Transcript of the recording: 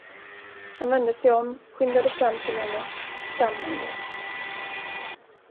Han vände sig om, skyndade fram till henne, stammande.